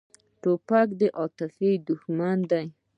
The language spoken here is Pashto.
توپک د عاطفې دښمن دی.